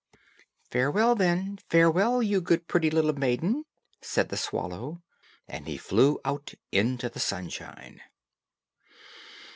"Farewell, then, farewell, you good, pretty little maiden," said the swallow; and he flew out into the sunshine.